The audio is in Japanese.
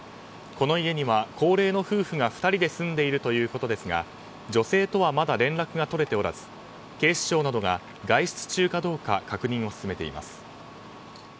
この家には高齢の夫婦が２人で住んでいるということですが女性とはまだ連絡が取れておらず警視庁などが外出中かどうか確認を進めています。